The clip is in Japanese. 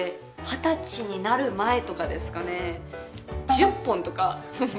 二十歳になる前とかですかね。